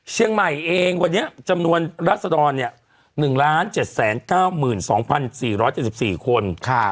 เชียงใหม่เองวันนี้จำนวนรัศดร๑๗๙๒๔๗๔คน